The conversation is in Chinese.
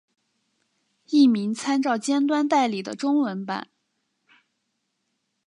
译名参照尖端代理的中文版。